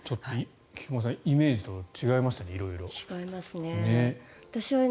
菊間さんイメージと色々違いましたね。